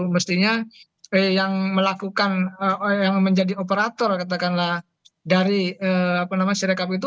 mestinya yang melakukan yang menjadi operator katakanlah dari sirekap itu